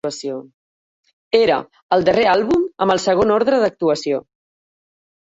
Era el darrer àlbum amb el segon ordre d'actuació.